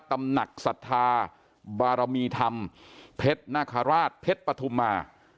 ตำหนักสัทธาบารมีธรรมเพ็ดนคราชเพ็ดปฐุมา